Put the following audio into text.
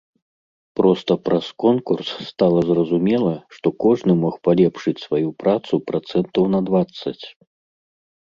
Проста праз конкурс стала зразумела, што кожны мог палепшыць сваю працу працэнтаў на дваццаць.